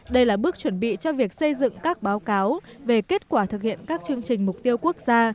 đây là bước chuẩn bị cho việc xây dựng các báo cáo về kết quả thực hiện các chương trình mục tiêu quốc gia